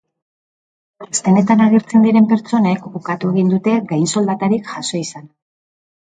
Txostenetan agertzen diren pertsonek ukatu egin dute gainsoldatarik jaso izana.